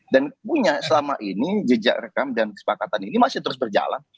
dan punya selama ini jejak rekam dan kesepakatan ini masih terus berjalan